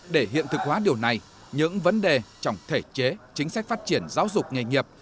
để hiện thực hóa điều này những vấn đề trong thể chế chính sách phát triển giáo dục nghề nghiệp